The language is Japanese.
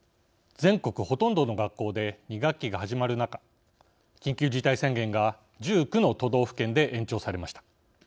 全国ほとんどの学校で２学期が始まる中緊急事態宣言が１９の都道府県で延長されました。